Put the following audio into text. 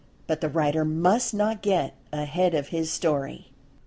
But the writer must not get ahead of his story.